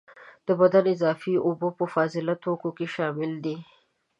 د بدن اضافي اوبه په فاضله توکو کې شاملي دي.